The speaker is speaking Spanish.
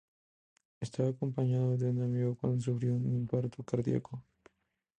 Estaba acompañado de un amigo cuando sufrió un infarto cardíaco.